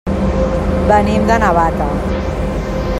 Venim de Navata.